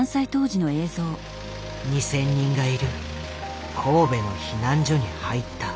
２，０００人がいる神戸の避難所に入った。